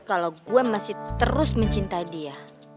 kalau gue masih terus mencintai dia